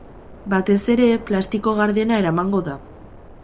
Batez ere, plastiko gardena eramango da.